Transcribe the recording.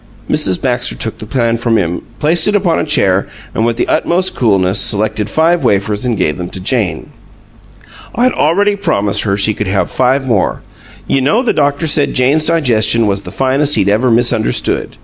Mrs. Baxter took the pan from him, placed it upon a chair, and with the utmost coolness selected five wafers and gave them to Jane. "I'd already promised her she could have five more. You know the doctor said Jane's digestion was the finest he'd ever misunderstood.